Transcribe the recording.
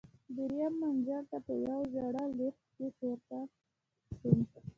درېیم منزل ته په یوه زړه لفټ کې ورپورته شوم.